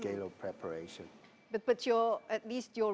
karena membuat bus elektrik berbeda dengan membuat bus konvensional